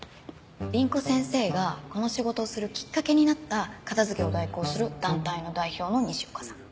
凛子先生がこの仕事をするきっかけになった片づけを代行する団体の代表の西岡さん。